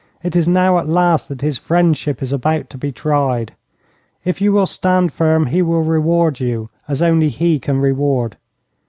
'It is now at last that this friendship is about to be tried. If you will stand firm, he will reward you as only he can reward.